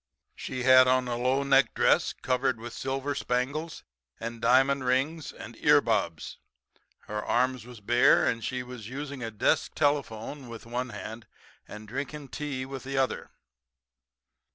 "She had on a low necked dress covered with silver spangles, and diamond rings and ear bobs. Her arms was bare; and she was using a desk telephone with one hand, and drinking tea with the other.